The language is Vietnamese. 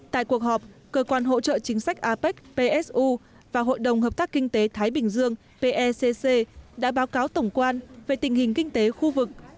tại cuộc họp cơ quan hỗ trợ chính sách apec psu và hội đồng hợp tác kinh tế thái bình dương pecc đã báo cáo tổng quan về tình hình kinh tế khu vực